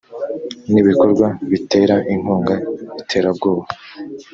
n ibikorwa bitera inkunga iterabwoba